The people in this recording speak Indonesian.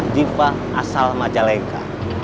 jiva asal majalengka